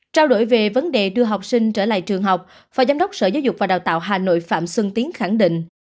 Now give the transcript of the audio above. trao đổi về vấn đề đưa học sinh trở lại trường học phó giám đốc sở giáo dục và đào tạo hà nội phạm xuân tiến khẳng định